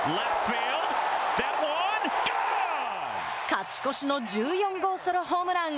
勝ち越しの１４号ソロホームラン。